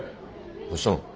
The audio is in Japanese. どしたの？